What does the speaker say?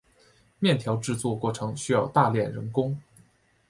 面条制作过程需要大量人工。